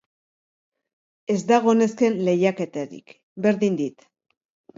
Ez dago nesken lehiaketarik, berdin dit.